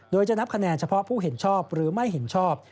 โดยจะนับคะแนนเฉพาะผู้เห็นชอบหรือไม่เห็นชอบ